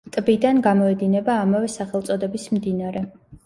ტბიდან გამოედინება ამავე სახელწოდების მდინარე.